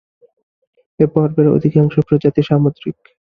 এই পর্বের অধিকাংশ প্রজাতি সামুদ্রিক।